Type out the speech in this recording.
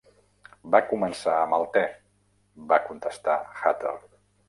"Va començar amb el te", va contestar Hatter.